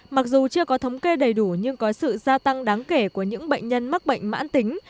mặc dù chưa có thống kê đầy đủ nhưng có sự gia tăng đáng kể của những bệnh nhân mắc bệnh mãn tính